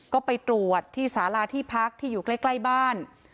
ก็ไปตรวจที่สาราที่พักที่อยู่ใกล้บ้าน